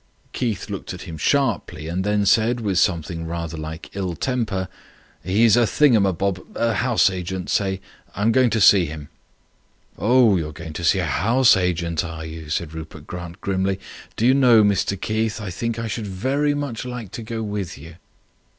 Keith looked at him sharply, and then said, with something rather like ill temper: "He's a thingum my bob, a house agent, say. I'm going to see him." "Oh, you're going to see a house agent, are you?" said Rupert Grant grimly. "Do you know, Mr Keith, I think I should very much like to go with you?"